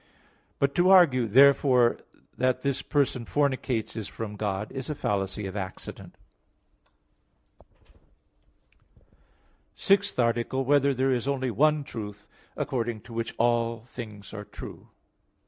But to argue, "Therefore that this person fornicates is from God", is a fallacy of Accident. _______________________ SIXTH ARTICLE [I, Q. 16, Art. 6] Whether There Is Only One Truth, According to Which All Things Are True?